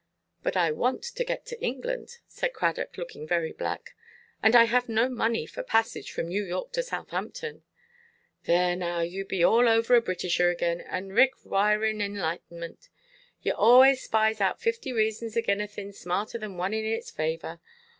"But I want to get to England," said Cradock, looking very black; "and I have no money for passage from New York to Southampton." "Thur now, yoo be all over a Britisher agin, and reck–wirin enlightʼment. Yoo allays spies out fifty raisons agin a thin' smarter than one in itʼs favior.